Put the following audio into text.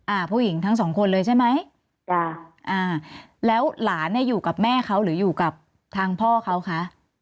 ผู้หญิงทั้งสองคนเลยใช่ไหมจ้ะอ่าแล้วหลานเนี้ยอยู่กับแม่เขาหรืออยู่กับทางพ่อเขาคะ